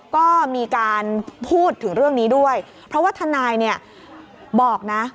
ก็มีการพูดถึงเรื่องนี้ด้วยเพราะว่าทนายเนี่ยบอกนะ